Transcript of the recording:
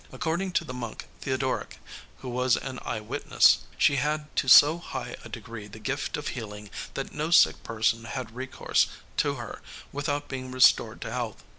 According to the monk Theodoric, who was an eye witness, she had to so high a degree the gift of healing that no sick person had recourse to her without being restored to health.